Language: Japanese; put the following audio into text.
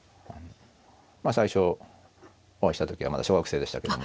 最初お会いした時はまだ小学生でしたけども。